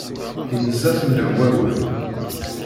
Inza fell-am wawal.